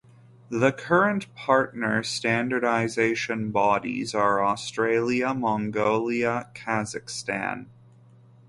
The current partner standardisation bodies are Australia, Mongolia, Kazakhstan.